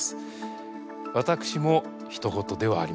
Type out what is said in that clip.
私もひと事ではありません。